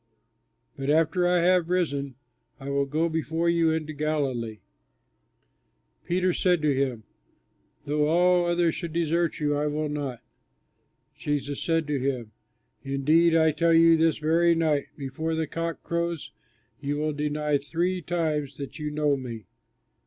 But after I have risen, I will go before you into Galilee." Peter said to him, "Though all others should desert you, I will not." Jesus said to him, "Indeed I tell you, this very night before the cock crows you will deny three times that you know me."